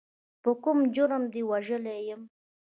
په کوم جرم دې وژلی یم.